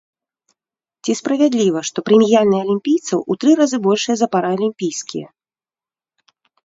Ці справядліва, што прэміяльныя алімпійцаў у тры разы большыя за паралімпійскія?